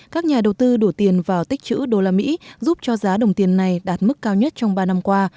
các nhà đầu tư đổ tiền vào tích chữ đô la mỹ giúp cho giá đồng tiền này đạt mức cao nhất trong ba năm qua